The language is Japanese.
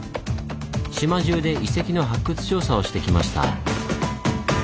島じゅうで遺跡の発掘調査をしてきました。